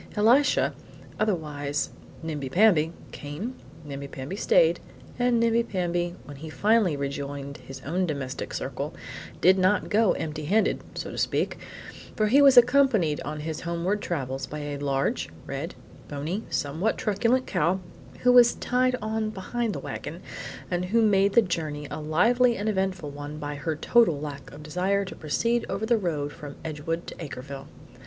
Elisha, otherwise Nimbi Pamby, came; Nimbi Pamby stayed; and Nimbi Pamby, when he finally rejoined his own domestic circle, did not go empty handed (so to speak), for he was accompanied on his homeward travels by a large, red, bony, somewhat truculent cow, who was tied on behind the wagon, and who made the journey a lively and eventful one by her total lack of desire to proceed over the road from Edgewood to Acreville.